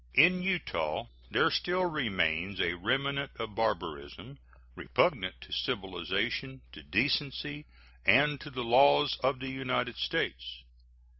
In Utah there still remains a remnant of barbarism, repugnant to civilization, to decency, and to the laws of the United States.